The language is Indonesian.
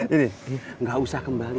ini gak usah kembali